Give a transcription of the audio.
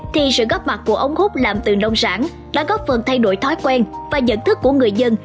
thì sự góp mặt của ống hút làm từ nông sản đã góp phần thay đổi thói quen và nhận thức của người dân